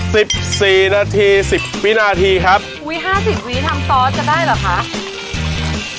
สิบสี่นาทีสิบวินาทีครับอุ้ยห้าสิบวิทำซอสก็ได้เหรอคะ